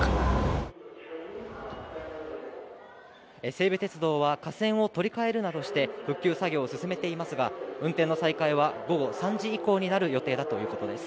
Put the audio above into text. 西武鉄道は架線を取り替えるなどして、復旧作業を進めていますが、運転の再開は午後３時以降になる見込みだということです。